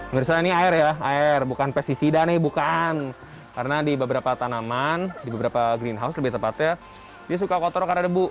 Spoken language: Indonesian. mirsa ini air ya air bukan pesticida nih bukan karena di beberapa tanaman di beberapa greenhouse lebih tepatnya dia suka kotor karena debu